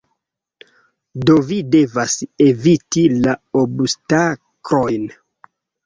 Do vi devas eviti la obstaklojn.